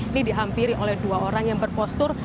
ini dihampiri oleh dua orang yang berpostur